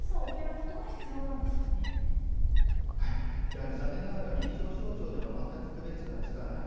やはり残念ながら、臨床症状では全く区別がつかない。